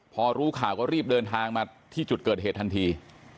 พอรู้ข่าวก็รีบเดินทางมาที่จุดเกิดเหตุทันที